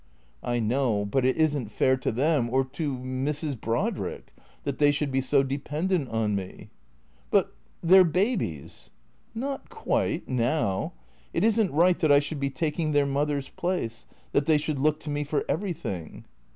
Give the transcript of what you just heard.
" I know ; but it is n't fair to them or to — Mrs. Brodrick that they should be so dependent on me." "But — they're babies." "Not quite — now. It isn't right that I should be taking their mother's place, that they should look to me for every thing."